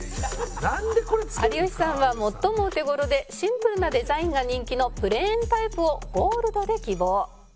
「有吉さんは最もお手頃でシンプルなデザインが人気のプレーンタイプをゴールドで希望」